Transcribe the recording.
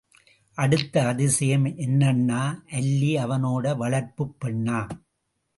அடுத்த அதிசயம் என்னான்னா, அல்லி அவனோட வளர்ப்புப் பெண்ணாம்!